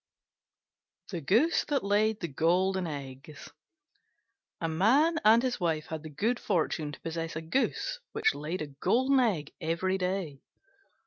THE GOOSE THAT LAID THE GOLDEN EGGS A Man and his Wife had the good fortune to possess a Goose which laid a Golden Egg every day.